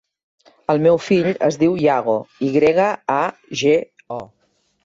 El meu fill es diu Yago: i grega, a, ge, o.